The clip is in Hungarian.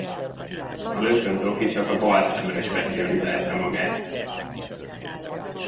A lökött doki csak a bal szemre specializálta magát.